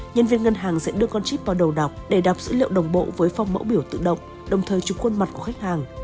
nhân viên ngân hàng sẽ đưa con chip vào đầu đọc để đọc dữ liệu đồng bộ với phong mẫu biểu tự động đồng thời chụp khuôn mặt của khách hàng